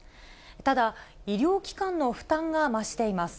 ただ、医療機関の負担が増しています。